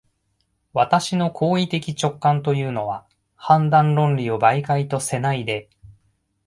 私の行為的直観というのは、判断論理を媒介とせないで、